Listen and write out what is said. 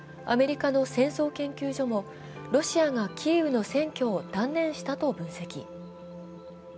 アメリカの戦争研究所もロシアがキーウの占拠を断念したと分析。